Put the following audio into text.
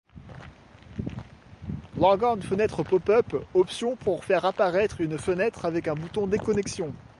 Logon fenêtre pop-up - Option pour faire apparaître une fenêtre avec un bouton Déconnexion.